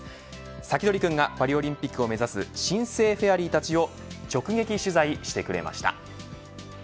サキドリくんがパリオリンピックを目指す新生フェアリーたちを直撃取材してくれました。